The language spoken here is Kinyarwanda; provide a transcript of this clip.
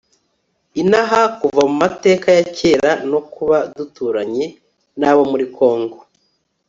inaha kuva mu mateka ya kera, no kuba duturanye n'abo muri congo